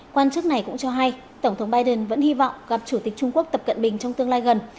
quan chức này cũng cho hay tổng thống biden vẫn hy vọng gặp chủ tịch trung quốc tập cận bình trong tương lai gần